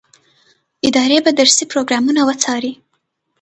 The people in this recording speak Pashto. ادارې به درسي پروګرامونه وڅاري.